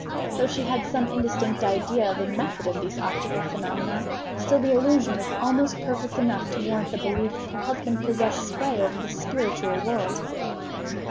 Though she had some indistinct idea of the method of these optical phenomena, still the illusion was almost perfect enough to warrant the belief that her husband possessed sway over the spiritual world.